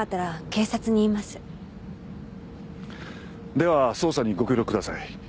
では捜査にご協力ください。